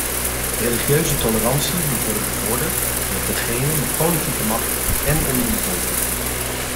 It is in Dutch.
Religieuze tolerantie moet worden bevorderd door degenen met politieke macht en onder de bevolking.